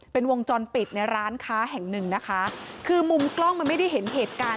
เป็นวงจรปิดในร้านค้าแห่งหนึ่งนะคะคือมุมกล้องมันไม่ได้เห็นเหตุการณ์